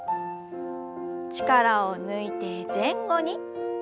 力を抜いて前後に。